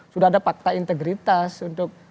sudah ada fakta integritas untuk